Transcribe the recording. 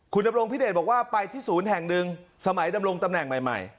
คุณดำรงพิเดชบอกว่าไปที่ศูนย์แห่งหนึ่งสมัยดำรงตำแหน่งใหม่